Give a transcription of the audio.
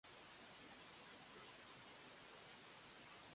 どうやって言葉は変化するのかな？広く使われると言葉として認められる？